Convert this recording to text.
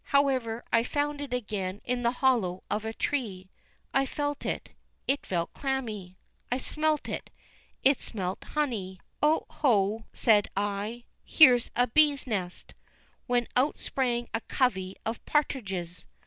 However, I found it again in the hollow of a tree. I felt it; it felt clammy. I smelt it; it smelt honey. "Oh, ho," said I, "here's a bees' nest," when out sprang a covey of partridges.